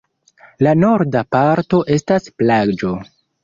La norda parto estas plaĝo.